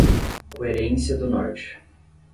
Querência do Norte